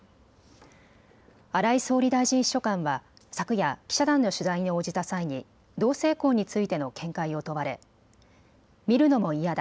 荒井総理大臣秘書官は昨夜、記者団の取材に応じた際に同性婚についての見解を問われ見るのも嫌だ。